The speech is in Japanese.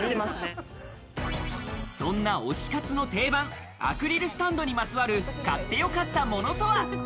そんな推し活の定番アクリルスタンドにまつわる買ってよかったものとは？